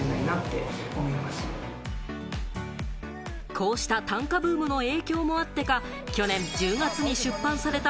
こうした短歌ブームの影響もあってか、去年１０月に出版された